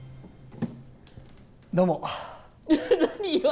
どうも。